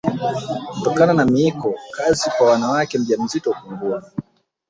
Kutokana na miiko kazi kwa mwanamke mjamzito hupungua